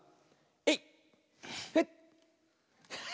えい！